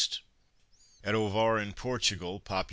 At Ovar in Portugal (pop.